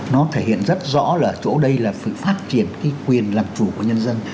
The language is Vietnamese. nó thể hiện rất rõ là chỗ đây là sự phát triển cái quyền làm chủ của nhân dân